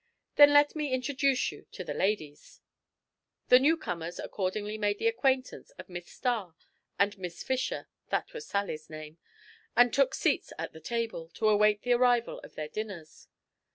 "Then let me introduce you to the ladies." The new comers accordingly made the acquaintance of Miss Starr and Miss Fisher (that was Sally's name), and took seats at the table, to await the arrival of their dinners.